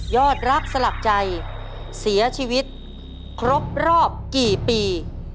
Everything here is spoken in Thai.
อดรักสลักใจเสียชีวิตครบรอบกี่ปี